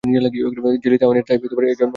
Jerry তাইওয়ানের Taipei এ জন্মগ্রহণ করেন।